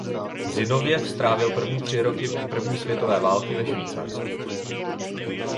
Zinovjev strávil první tři roky první světové války ve Švýcarsku.